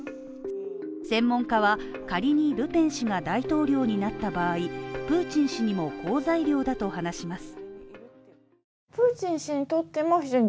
専門家は、仮にルペン氏が大統領になった場合、プーチン氏にも好材料だと話します。